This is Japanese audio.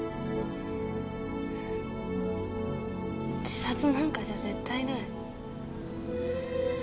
自殺なんかじゃ絶対ない。